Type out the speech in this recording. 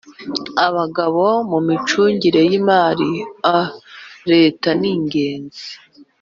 abagabo mu micungire y imari a leta ningenzi